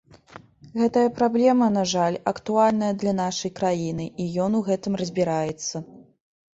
Гэтая праблема, на жаль, актуальная для нашай краіны, і ён у гэтым разбіраецца.